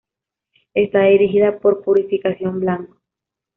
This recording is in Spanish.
Está dirigida por Purificación Blanco.